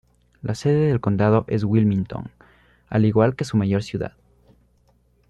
La sede del condado es Wilmington, al igual que su mayor ciudad.